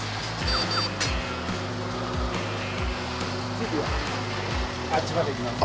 次はあっちまで行きます。